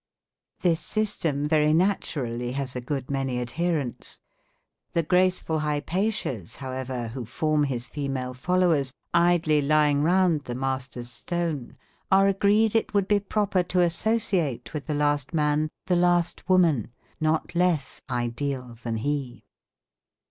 This system very naturally has a good many adherents. The graceful Hypatias, however, who form his female followers, idly lying round the master's stone, are agreed it would be proper to associate with the last man, the last woman, not less ideal than he.